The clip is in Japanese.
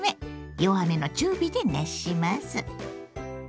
弱めの中火で熱します。